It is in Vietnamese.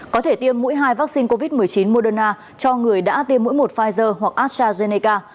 có thể tiêm mũi hai vaccine covid một mươi chín moderna cho người đã tiêm mũi một pfizer hoặc astrazeneca